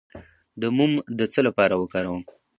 د موم د څه لپاره وکاروم؟